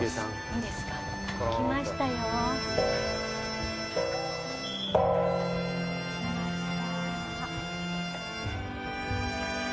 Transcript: いいんですか？来ましたよ。来ました。